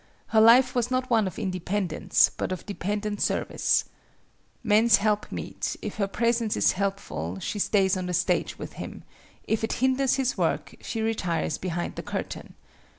Her life was not one of independence, but of dependent service. Man's helpmeet, if her presence is helpful she stays on the stage with him: if it hinders his work, she retires behind the curtain.